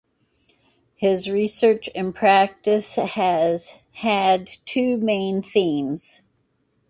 His research and practice has had two main themes.